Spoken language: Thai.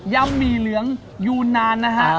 ำหมี่เหลืองยูนานนะฮะ